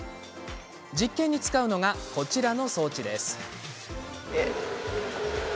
実験に使うのがこちらの装置です。